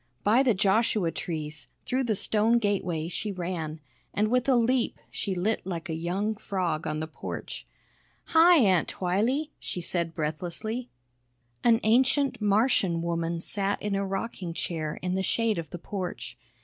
By the Joshua trees, through the stone gateway she ran, and with a leap she lit like a young frog on the porch. "Hi, Aunt Twylee!" she said breathlessly. An ancient Martian woman sat in a rocking chair in the shade of the porch.